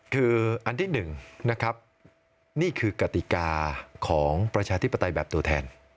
คืออันที่๑นะครับนี่คือกติกาของประชาธิปไตยแบบตัวแทน